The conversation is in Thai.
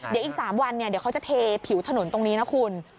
เดี๋ยวอีก๓วันเดี๋ยวเขาจะเทผิวถนนตรงนี้นะคุณ